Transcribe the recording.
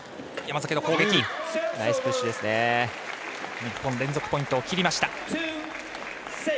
日本連続ポイントを切った。